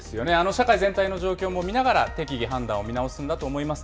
社会全体の状況も見ながら適宜判断を見直すんだと思います。